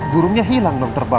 durungnya hilang dong terbang